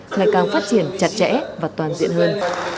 ngày càng phát triển chặt chẽ và toàn diện hơn